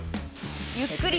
ゆっくり。